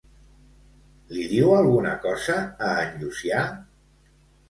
Li diu alguna cosa a en Llucià?